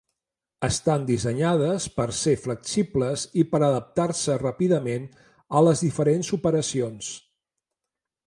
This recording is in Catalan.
Estan dissenyades per ser flexibles i per adaptar-se ràpidament a les diferents operacions.